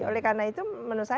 oleh karena itu menurut saya